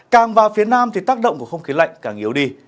càng vào phía nam thì tác động của không khí lạnh càng yếu đi